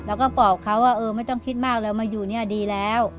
แล้วก็ปอบเขาว่าเออไม่ต้องคิดมากแล้วมาอยู่เนี่ยดีแล้ว